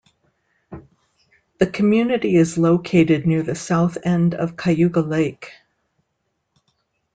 The community is located near the south end of Cayuga Lake.